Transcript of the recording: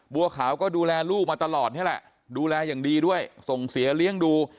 บัวขาวก็ดูแลลูกมาตลอดนี่แหละดูแลอย่างดีด้วยส่งเสียเลี้ยงดู